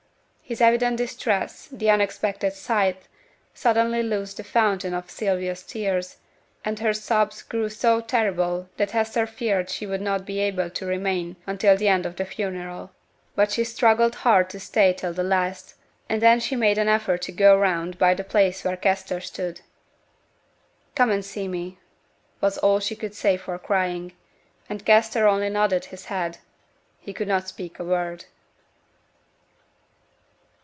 His evident distress, the unexpected sight, suddenly loosed the fountain of Sylvia's tears, and her sobs grew so terrible that Hester feared she would not be able to remain until the end of the funeral. But she struggled hard to stay till the last, and then she made an effort to go round by the place where Kester stood. 'Come and see me,' was all she could say for crying: and Kester only nodded his head he could not speak a word.